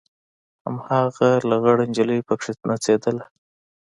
هماغه لغړه نجلۍ پکښې نڅېدله.